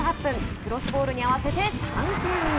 クロスボールに合わせて３点目。